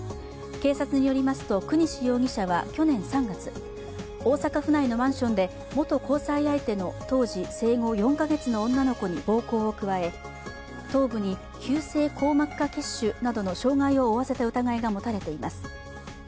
警察によりますと國司容疑者は、去年３月大阪府内のマンションで元交際相手の当時生後４カ月の女の子に暴行を加え頭部に急性硬膜下血腫などの傷害を負わせた疑いが持たれています。